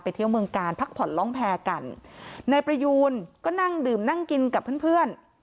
เที่ยวเมืองกาลพักผ่อนล้องแพรกันนายประยูนก็นั่งดื่มนั่งกินกับเพื่อนเพื่อน